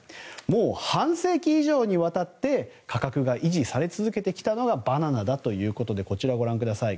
もう半世紀以上にわたって価格が維持され続けてきたのがバナナだということでこちらご覧ください。